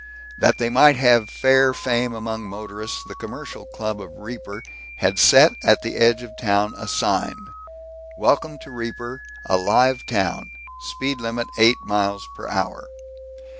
That they might have fair fame among motorists the commercial club of Reaper had set at the edge of town a sign "Welcome to Reaper, a Live Town Speed Limit 8 Miles perhr."